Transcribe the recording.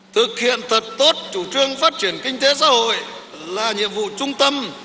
thực hiện thật tốt chủ trương phát triển kinh tế xã hội là nhiệm vụ trung tâm